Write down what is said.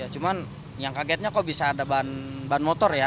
cuma yang kagetnya kok bisa ada ban motor ya